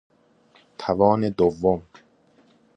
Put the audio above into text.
توان دوم